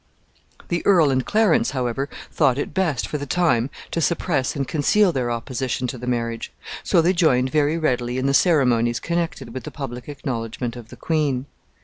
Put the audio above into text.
] The earl and Clarence, however, thought it best for the time to suppress and conceal their opposition to the marriage; so they joined very readily in the ceremonies connected with the public acknowledgment of the queen.